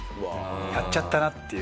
やっちゃったなっていう。